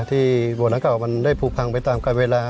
ที่บวชนั้นเก่ามันได้ผูกพังไปตามการเวลา